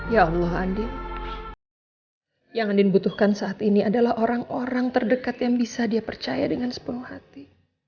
ya allah andi yang andi butuhkan saat ini adalah orang orang terdekat yang bisa dia percaya dengan sepenuh hati